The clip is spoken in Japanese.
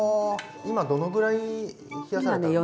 今どのぐらい冷やされたんですか？